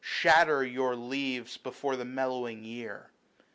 Shatter your leaves before the mellowing year.